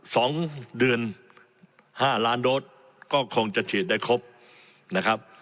สองเดือนห้าล้านโดสก็คงจะฉีดได้ครบนะครับ